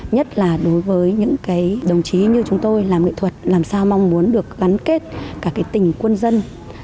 nhất là đối với những cái đồng chí như chúng tôi làm nghệ thuật làm sao mong muốn được gắn kết cả cái tình quân dân